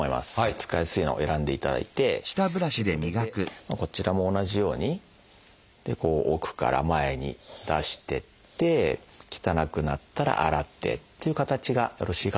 使いやすいのを選んでいただいてそれでこちらも同じようにこう奥から前に出してって汚くなったら洗ってっていう形がよろしいかと思いますね。